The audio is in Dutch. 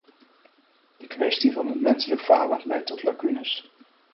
De kwestie van het menselijk falen leidt tot lacunes.